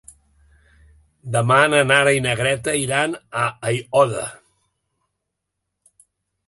Demà na Nara i na Greta iran a Aiòder.